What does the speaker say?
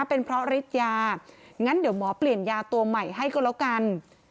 เป็นเพราะฤทธิ์ยางั้นเดี๋ยวหมอเปลี่ยนยาตัวใหม่ให้ก็แล้วกัน